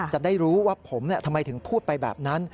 จะได้รู้ว่าผมทำไมถึงพูดไปแบบนั้น